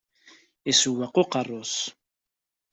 Isewweq uqerru-s.